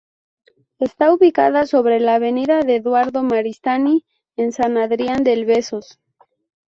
Está ubicada sobre la avenida de Eduardo Maristany, en San Adrián del Besós.